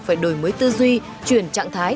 phải đổi mới tư duy chuyển trạng thái